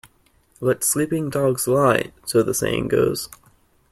Let sleeping dogs lie, so the saying goes.